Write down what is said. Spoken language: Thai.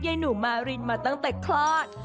หนูมารินมาตั้งแต่คลอด